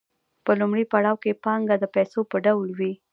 په لومړي پړاو کې پانګه د پیسو په ډول وي